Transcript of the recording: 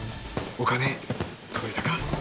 お金届いたか。